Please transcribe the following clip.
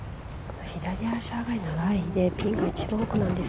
左足下がりラインでピンが一番奥なんです。